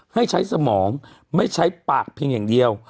ให้ใช้สมองไม่ใช้ปากเพียงอย่างเดียว